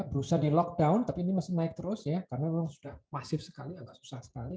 susah di lock down tapi ini masih naik terus ya karena sudah pasif sekali agak susah sekali